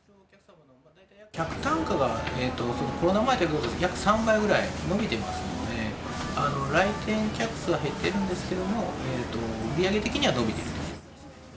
客単価がコロナ前と比べて約３倍ぐらい伸びてますので、来店客数は減っているんですけれども、売り上げ的には伸びていると。